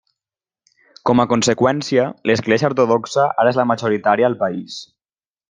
Com a conseqüència, l'església ortodoxa ara és la majoritària al país.